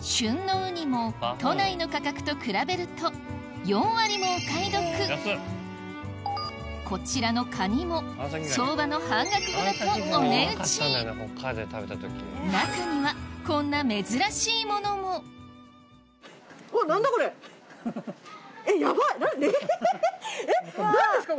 旬のウニも都内の価格と比べると４割もお買い得こちらのカニも相場の半額ほどとお値打ち中にはこんなヤバいえぇ⁉えっ何ですか？